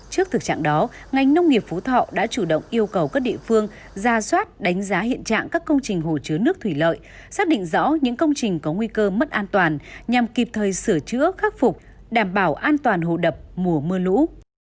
trước thực trạng đó ngành nông nghiệp phú thọ đã chủ động yêu cầu các địa phương ra soát đánh giá hiện trạng các công trình hồ chứa nước thủy lợi xác định rõ những công trình có nguy cơ mất an toàn nhằm kịp thời sửa chữa khắc phục đảm bảo an toàn hồ đập mùa mưa lũ